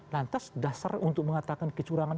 lantas dasar untuk mengatakan kecurangan